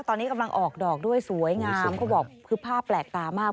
ตอนนี้กำลังออกดอกด้วยสวยงามเขาบอกคือภาพแปลกตามาก